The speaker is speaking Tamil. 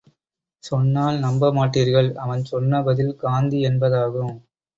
சொன்னால் நம்ப மாட்டீர்கள் அவன் சொன்ன பதில் காந்தி என்பதாகும்.